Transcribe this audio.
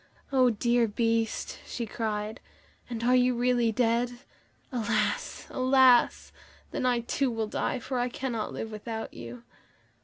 "Oh, dear Beast," she cried, "and are you really dead? Alas! alas! then I, too, will die, for I cannot live without you."